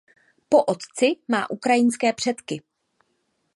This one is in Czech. Po otci má ukrajinské předky.